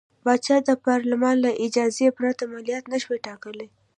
پاچا د پارلمان له اجازې پرته مالیات نه شوای ټاکلی.